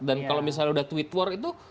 dan kalau misalnya udah twitwork itu